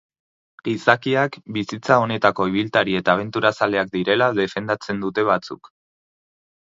Gizakiak bizitza honetako ibiltari eta abenturazaleak direla defendatzen dute batzuk.